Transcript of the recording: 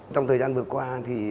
trong thời gian vừa qua thì